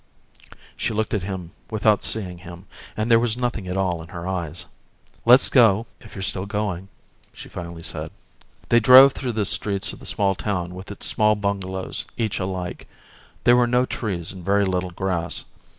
She looked at him without seeing him, and there was nothing at all in her eyes. "Let's go, if you're still going," she finally said. They drove through the streets of the small town with its small bungalows, each alike. There were no trees and very little grass.